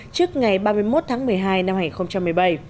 trước ngày ba mươi một tháng một mươi hai năm hai nghìn một mươi bảy